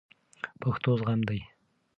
پښتو زغم دی